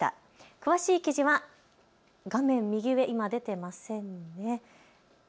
詳しい記事は画面右上、今出ていませんね。